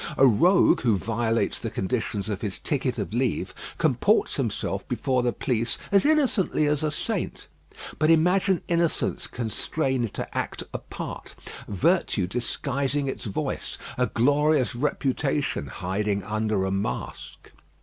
A rogue who violates the conditions of his ticket of leave comports himself before the police as innocently as a saint; but imagine innocence constrained to act a part; virtue disguising its voice; a glorious reputation hiding under a mask.